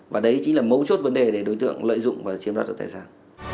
và đấy chính là mấu chốt vấn đề để đối tượng lợi dụng và chiếm đoạt được tài sản